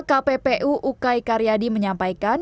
kppu ukay karyadi menyampaikan